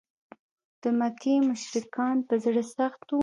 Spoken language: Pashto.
د مکې مشرکان په زړه سخت و.